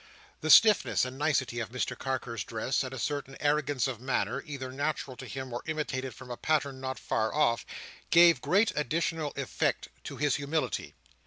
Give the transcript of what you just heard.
The stiffness and nicety of Mr Carker's dress, and a certain arrogance of manner, either natural to him or imitated from a pattern not far off, gave great additional effect to his humility.